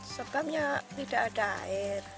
sebabnya tidak ada air